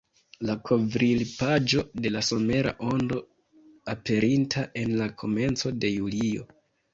La kovrilpaĝo de la somera Ondo, aperinta en la komenco de julio.